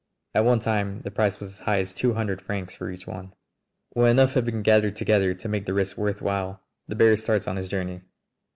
At one time the price was as high as two hundred francs for each one. When enough have been gathered together to make the risk worth while the bearer starts on his journey.